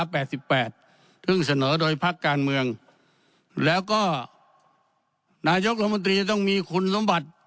เสนอโดยพักการเมืองแล้วก็นายกรัฐมนตรีต้องมีคุณสมบัติ